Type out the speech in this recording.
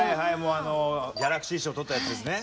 あのギャラクシー賞取ったやつですね。